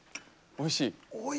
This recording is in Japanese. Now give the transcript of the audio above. おいしい！